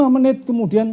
lima menit kemudian